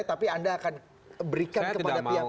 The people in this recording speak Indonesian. tapi anda akan berikan kepada pihak pihak